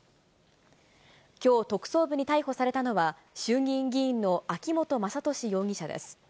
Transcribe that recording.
きょう、特捜部に逮捕されたのは、衆議院議員の秋本真利容疑者です。